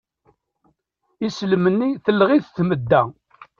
Islem-nni telleɣ-it tmedda.